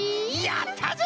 やったぜ！